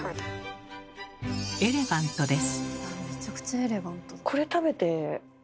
エレガントです。